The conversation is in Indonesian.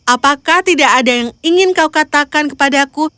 apakah tidak ada yang ingin kau katakan kepadaku